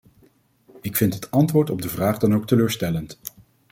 Ik vind het antwoord op de vraag dan ook teleurstellend.